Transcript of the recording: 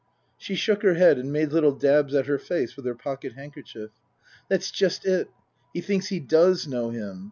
She shook her head and made little dabs at her face with her pocket handkerchief. " That's just it. He thinks he does know him.